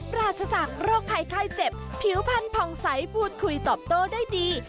ปราศจากโรคภัยไข้เจ็บผิวพันธ่องใสพูดคุยตอบโต้ได้ดี